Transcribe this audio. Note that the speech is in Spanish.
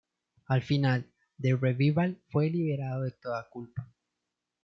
Al final, The Revival fue liberado de toda culpa.